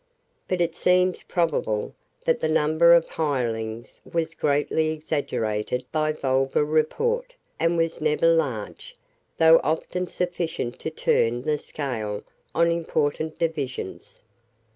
But it seems probable that the number of hirelings was greatly exaggerated by vulgar report, and was never large, though often sufficient to turn the scale on important divisions.